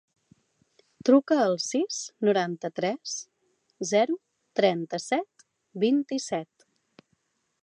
Truca al sis, noranta-tres, zero, trenta-set, vint-i-set.